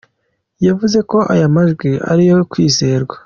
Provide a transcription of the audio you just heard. Yavuze ko aya majwi ari ayo kwizerwa.